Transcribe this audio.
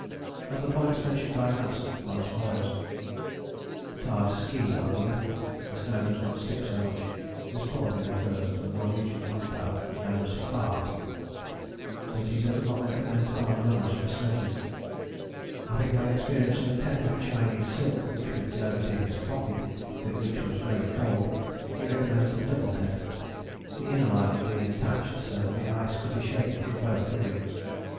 Other points mentioned by Nansen are as follows: Tarred ski are good: the snow does not stick so much. [This probably refers to the Norwegian compound known as Fahrt.] But he does not recommend tarred runners for sledges. Having had experience of a tent of Chinese silk which would go into his pocket but was very cold, he recommends a double tent, the inner lining being detached so that ice could be shaken from both coverings.